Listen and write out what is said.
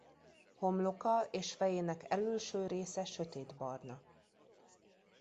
Homloka és fejének elülső része sötétbarna.